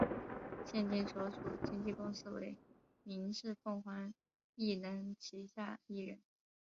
现今所属经纪公司为民视凤凰艺能旗下艺人。